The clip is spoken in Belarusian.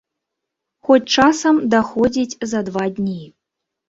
Хоць часам даходзіць за два дні.